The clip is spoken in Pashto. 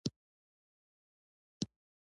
د پښتو ژبې د ثبت پروسه د ښې نتیجې په لور روانه ده.